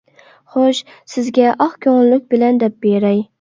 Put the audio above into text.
خوش، سىزگە ئاق كۆڭۈللۈك بىلەن دەپ بېرەي.